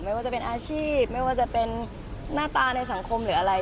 ไม่ว่าจะเป็นอาชีพไม่ว่าจะเป็นหน้าตาในสังคมหรืออะไร